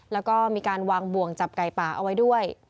แล้วก็มีการวางบ่วงจับไก่ป่าเอาไว้ด้วย